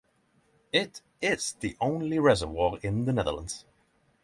It is the only reservoir in the Netherlands.